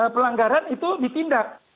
pelanggaran itu ditindak